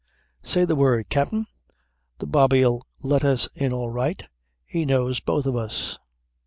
"Say the word, Capt'in. The bobby'll let us in all right. 'E knows both of us."